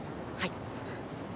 はい。